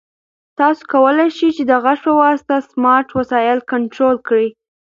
تاسو کولای شئ چې د غږ په واسطه سمارټ وسایل کنټرول کړئ.